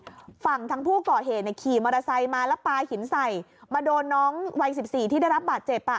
ฝั่งทางผู้ก่อเหตุเนี่ยขี่มอเตอร์ไซค์มาแล้วปลาหินใส่มาโดนน้องวัยสิบสี่ที่ได้รับบาดเจ็บอ่ะ